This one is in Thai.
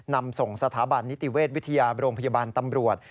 นำส่งสถาบันนิติเวชวิทยาโรงพยาบาลตำรวจ